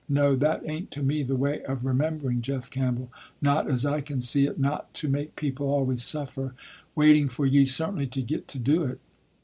No, that ain't to me, the way of remembering Jeff Campbell, not as I can see it not to make people always suffer, waiting for you certainly to get to do it.